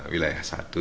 wilayah satu itu tanjung